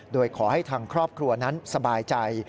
โดยขอให้ทางครอบครัวนั้นสบายใจ